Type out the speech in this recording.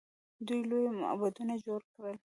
دوی لوی معبدونه جوړ کړل.